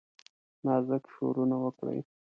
نازک شورونه وکړي